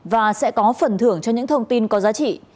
và sẽ có phần thưởng cho những thông tin có giá trị